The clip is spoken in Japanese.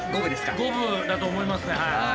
五分だと思いますね。